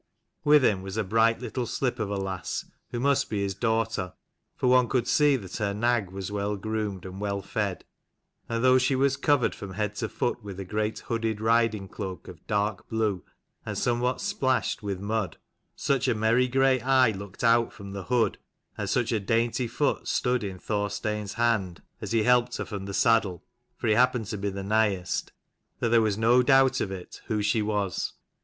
With him was a bright little slip of a lass, who must be his daughter, for one could see that her nag was well groomed and well fed : and though she was covered from head to foot with a great hooded riding cloak of dark blue and somewhat splashed with mud, such a merry grey eye looked out from the hood and such a dainty foot stood in Thorstein 's hand as he helped her from the saddle, for he happened to be the nighest, that there was no doubt of it, who she was.